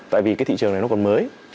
tại vì cái thị trường này nó còn mới